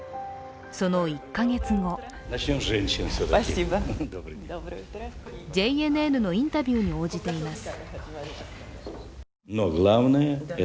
その１か月後ＪＮＮのインタビューに応じています。